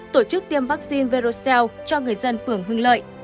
tổ chức tiêm vaccine veroxelle cho người dân phường hưng lợi